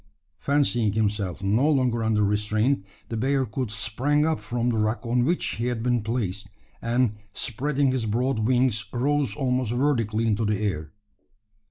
Fancying himself no longer under restraint, the bearcoot sprang up from the rock on which he had been placed; and, spreading his broad wings, rose almost vertically into the air.